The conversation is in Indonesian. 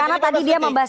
karena tadi dia membahas